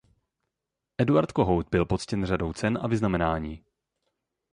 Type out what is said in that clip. Eduard Kohout byl poctěn řadou cen a vyznamenání.